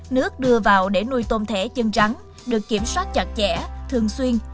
nước đưa vào để nuôi tôm thẻ chân trắng được kiểm soát chặt chẽ thường xuyên